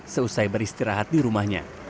seusai beristirahat di rumahnya